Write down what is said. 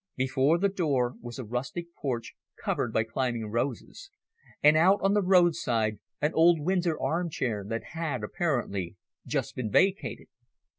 Before the door was a rustic porch covered by climbing roses, and out on the roadside an old Windsor armchair that had apparently just been vacated.